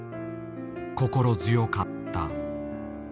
心強かった。